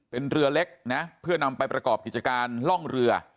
เป็นเรือเล็กนะเพื่อนำไปประกอบกิจการล่องเรือ